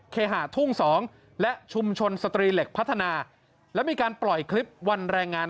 เคหาทุ่ง๒และชุมชนสตรีเหล็กพัฒนาและมีการปล่อยคลิปวันแรงงาน